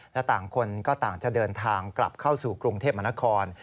และต่างคนก็ต่างจะเดินทางกลับเข้าสู่กรุงเทพมนคร